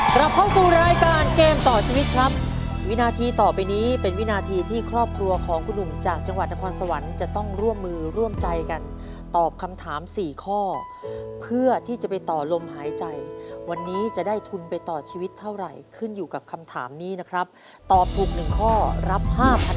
กลับเข้าสู่รายการเกมต่อชีวิตครับวินาทีต่อไปนี้เป็นวินาทีที่ครอบครัวของคุณหนุ่มจากจังหวัดนครสวรรค์จะต้องร่วมมือร่วมใจกันตอบคำถามสี่ข้อเพื่อที่จะไปต่อลมหายใจวันนี้จะได้ทุนไปต่อชีวิตเท่าไหร่ขึ้นอยู่กับคำถามนี้นะครับตอบถูกหนึ่งข้อรับห้าพัน